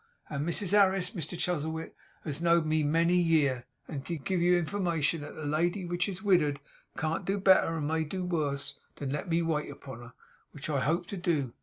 And Mrs Harris, Mr Chuzzlewit, has knowed me many year, and can give you information that the lady which is widdered can't do better and may do worse, than let me wait upon her, which I hope to do.